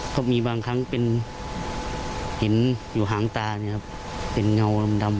เขามีบางครั้งเห็นอยู่ห่างตาถึงเห็นเห็นเงาตรงดำ